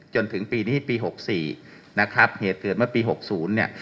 จนถึงปีนี้ปีหกสี่นะครับเหตุผลเมื่อปีหกศูนย์เนี่ย